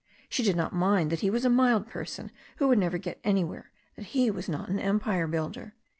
She did not mind that he was a mild person who would never get anywhere, that he was not an empire builder.